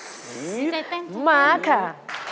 สินใจเต้นมาค่ะ